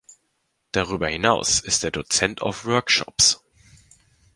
Darüber hinaus ist er Dozent auf Workshops.